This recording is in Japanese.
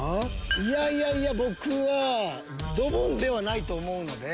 いやいやいや僕はドボンではないと思うので。